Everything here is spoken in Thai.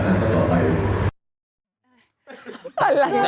ผมอยู่ด้านต่อไปถามกันก็ต่อไป